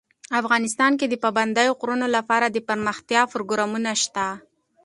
افغانستان کې د پابندي غرونو لپاره دپرمختیا پروګرامونه شته.